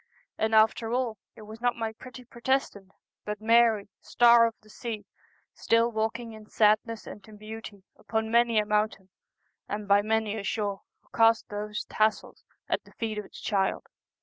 And after all, it was not my pretty Protestant, but Mary, Star of the Sea, still walking in sadness and in beauty upon many a mountain and by many a shore, who cast those tassels at the feet of the child.